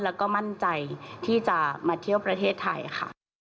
แล้วก็มั่นใจที่จะมาเที่ยวประเทศไทยค่ะ